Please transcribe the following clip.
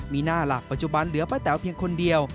มีหน้าหลักปัจจุบันเหลือป้าแต๋วเพียงคนเดียว